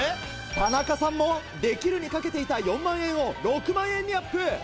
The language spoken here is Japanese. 田中さんも「できる」に賭けていた４万円を６万円にアップ。